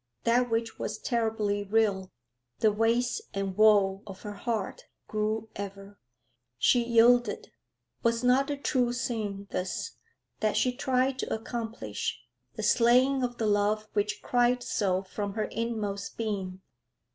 That which was terribly real, the waste and woe of her heart, grew ever. She yielded. Was not the true sin this that she tried to accomplish the slaying of the love which cried so from her inmost being?